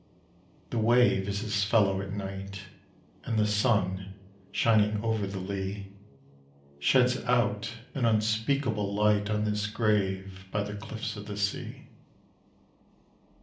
The wave is his fellow at night, And the sun, shining over the lea, Sheds out an unspeakable light On this grave by the cliffs of the sea.